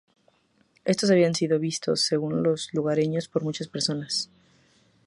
Estos habían sido vistos, según los lugareños, por muchas personas.